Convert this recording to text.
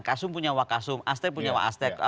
kasum punya wakasum aster punya wakastek